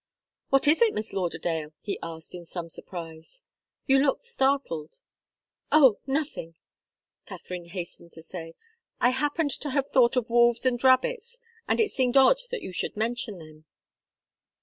"What is it, Miss Lauderdale?" he asked, in some surprise. "You look startled." "Oh nothing!" Katharine hastened to say. "I happened to have thought of wolves and rabbits, and it seemed odd that you should mention them."